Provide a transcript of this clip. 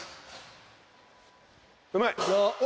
うまい。